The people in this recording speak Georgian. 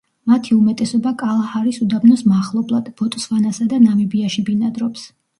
მათი უმეტესობა კალაჰარის უდაბნოს მახლობლად, ბოტსვანასა და ნამიბიაში ბინადრობს.